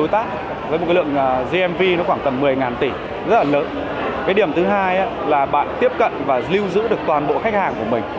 tiếp tục là bạn tiếp cận và lưu giữ được toàn bộ khách hàng của mình